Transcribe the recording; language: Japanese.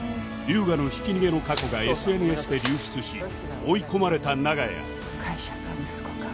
龍河のひき逃げの過去が ＳＮＳ で流出し追い込まれた長屋会社か息子か。